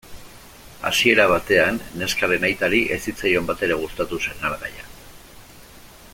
Hasiera batean, neskaren aitari ez zitzaion batere gustatu senargaia.